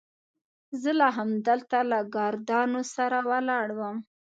زه لا همدلته له ګاردانو سره ولاړ وم.